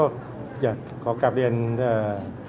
สวัสดีครับสวัสดีครับ